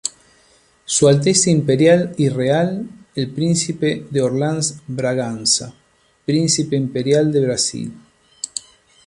Su Alteza Imperial y Real el Príncipe de Orleans-Braganza, "Príncipe Imperial de Brasil.